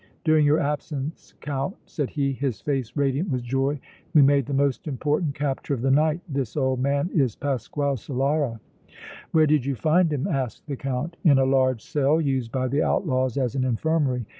"During your absence, Count," said he, his face radiant with joy, "we made the most important capture of the night! This old man is Pasquale Solara!" "Where did you find him?" asked the Count. "In a large cell used by the outlaws as an infirmary.